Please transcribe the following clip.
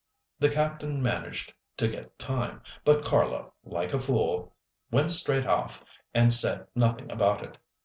The Captain managed to get time, but Carlo, like a fool, went straight off and said nothing about it.